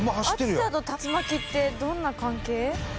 暑さと竜巻ってどんな関係？